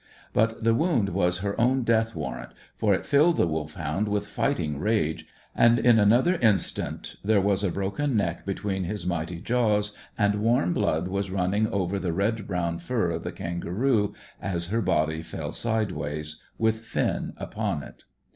But the wound was her own death warrant, for it filled the Wolfhound with fighting rage, and in another instant there was a broken neck between his mighty jaws and warm blood was running over the red brown fur of the kangaroo, as her body fell sideways, with Finn upon it.